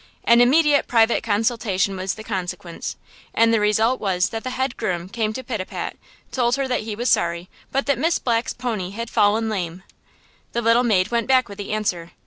An immediate private consultation was the consequence, and the result was that the head groom came to Pitapat, told her that he was sorry, but that Miss Black's pony had fallen lame. The little maid went back with the answer.